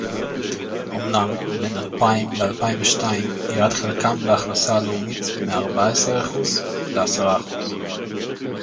אומנם בין אלפיים לאלפיים ושתיים ירד חלקם בהכנסה הלאומית מארבעה עשר אחוזים לעשרה אחוז